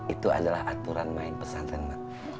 itu adalah aturan main pesantren mbak